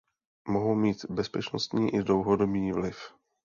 Mohou mít bezprostřední i dlouhodobý vliv.